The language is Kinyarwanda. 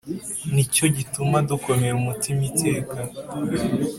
Ni cyo gituma dukomera umutima iteka